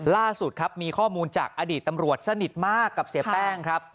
ล่าสุดครับมีข้อมูลจากอดีตตำรวจสนิทมากกับเสียแป้งครับ